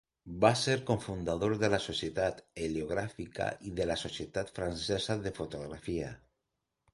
Va ser cofundador de la Societat Heliogràfica i de la Societat Francesa de Fotografia.